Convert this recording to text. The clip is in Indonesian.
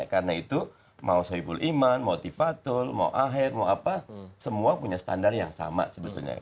karena itu mau soebul iman mau tifatul mau aher mau apa semua punya standar yang sama sebetulnya